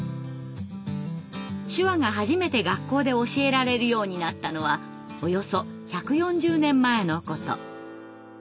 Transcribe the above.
手話が初めて学校で教えられるようになったのはおよそ１４０年前のこと。